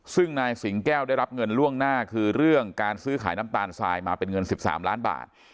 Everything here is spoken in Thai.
ซึ่งนายสิงแก้วได้รับเงินล่วงหน้าคือเรื่องการซื้อขายน้ำตาลทรายมาเป็นเงิน๑๓ล้านบาท